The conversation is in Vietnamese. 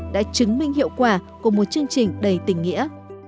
đã chứng minh hiệu quả của một chương trình đầy tình nghĩa